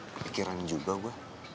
kitirannya juga gue